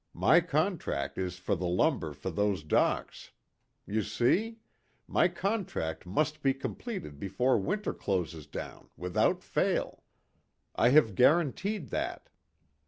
My contract is for the lumber for those docks. You see? My contract must be completed before winter closes down, without fail. I have guaranteed that.